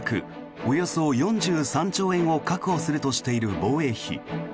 およそ４３兆円を確保するとしている防衛費。